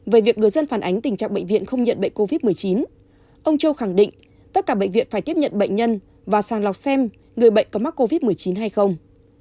về việc người dân phản ánh tình trạng bệnh viện không nhận bệnh covid một mươi chín ông châu khẳng định tất cả bệnh viện phải tiếp nhận bệnh nhân và sàng lọc xem người bệnh có mắc covid một mươi chín hay không